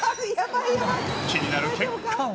気になる結果は。